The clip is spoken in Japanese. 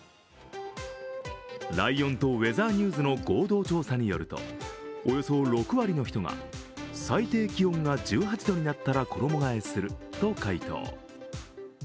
ライオンとウェザーニューズの合同調査によると、およそ６割の人が、最低気温が１８度になったら衣がえすると解答。